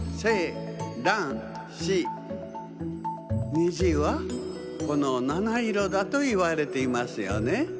虹はこのなないろだといわれていますよね。